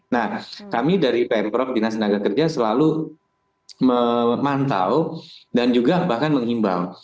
nah kami dari pemprov dinas tenaga kerja selalu memantau dan juga bahkan menghimbau